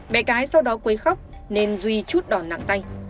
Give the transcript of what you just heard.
bé gái sau đó quấy khóc nên duy chút đòn nặng tay